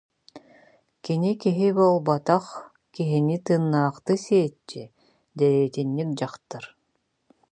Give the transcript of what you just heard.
Кини киһи буолбатах, киһини «тыыннаахтыы сиэччи» дэриэтинньик дьахтар